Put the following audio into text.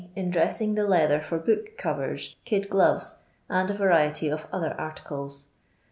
in dressing the leather for book covers, kid gloves, and a variety of other articles.